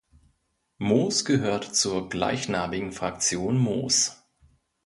Moos gehört zur gleichnamigen Fraktion Moos.